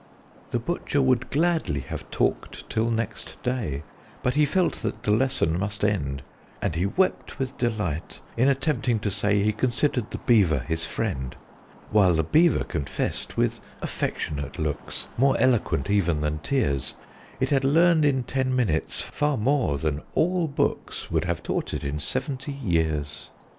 The Butcher would gladly have talked till next day, But he felt that the Lesson must end, And he wept with delight in attempting to say He considered the Beaver his friend: While the Beaver confessed, with affectionate looks More eloquent even than tears, It had learned in ten minutes far more than all books Would have taught it in seventy years.